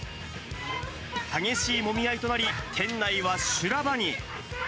激しいもみ合いとなり、店内は修羅場に。